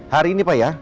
hari ini pak ya